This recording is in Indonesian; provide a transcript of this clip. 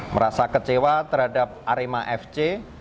merasa kecewa terhadap arema fc